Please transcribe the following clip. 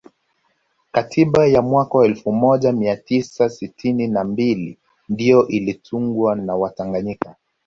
Katiba ya mwaka elfu moja mia tisa sitini na mbili ndiyo ilitungwa na watanganyika